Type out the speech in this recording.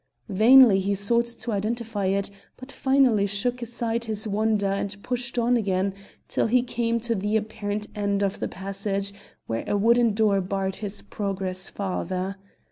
Vainly he sought to identify it, but finally shook aside his wonder and pushed on again till he came to the apparent end of the passage, where a wooden door barred his progress farther.